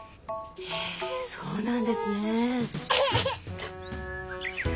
へえそうなんですね。